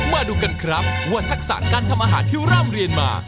มาดูกันครับว่าทักษะการทำอาหารที่ร่ำเรียนมา